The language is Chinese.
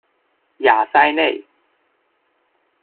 雅塞内。